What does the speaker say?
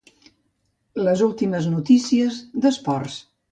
Les últimes notícies d'e-sports.